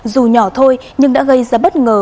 dù nhỏ thôi nhưng đã gây ra bất ngờ